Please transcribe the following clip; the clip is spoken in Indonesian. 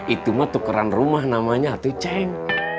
itu mah tukeran rumah namanya atuh ceng